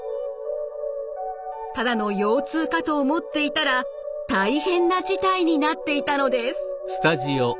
ただの腰痛かと思っていたら大変な事態になっていたのです。